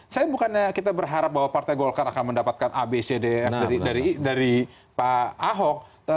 saya bukannya kita berharap bahwa partai golkar akan mendapatkan abcdf dari pak ahok